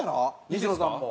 西野さんも。